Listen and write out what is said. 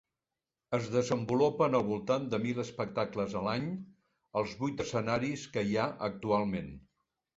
Es desenvolupen al voltant de mil espectacles l'any als vuit escenaris que hi ha actualment.